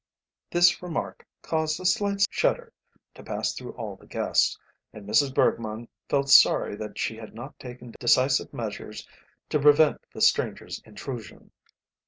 This remark caused a slight shudder to pass through all the guests, and Mrs. Bergmann felt sorry that she had not taken decisive measures to prevent the stranger's intrusion.